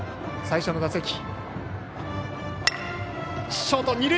最初の打席。